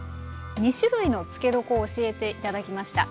２種類の漬け床を教えて頂きました。